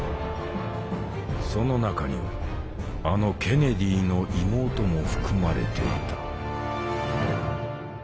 その中にはあのケネディの妹も含まれていた。